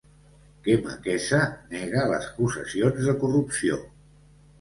Kemakeza nega les acusacions de corrupció.